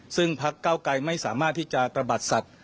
ซึ่งพักเก้าไกรไม่สามารถที่จะตระบัดสัตว์